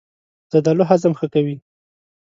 زردالو هضم ښه کوي.